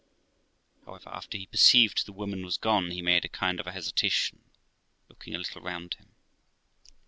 However, after he perceived the woman was gone he made a kind of a hesitation, looking a little round him.